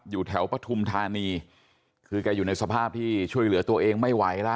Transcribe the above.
อยู่แถวปฐุมธานีคือแกอยู่ในสภาพที่ช่วยเหลือตัวเองไม่ไหวแล้ว